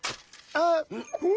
あっ！